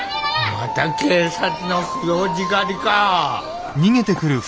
また警察の浮浪児狩りか。